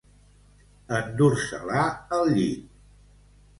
Endur-se-la al llit.